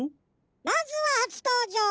まずははつとうじょう！